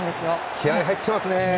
気合入ってますね！